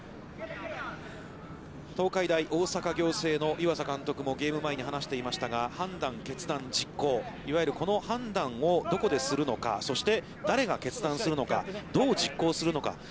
東海大大阪仰星の湯浅監督もゲーム前に話していましたが、判断、決断、実行、この判断をどこでするのか、そして誰が決断するのかどう実行するのか。